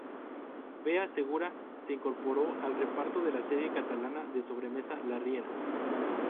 Bea Segura se incorporó al reparto de la serie catalana de sobremesa "La Riera".